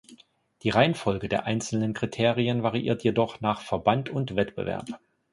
Die Reihenfolge der einzelnen Kriterien variiert jedoch nach Verband und Wettbewerb.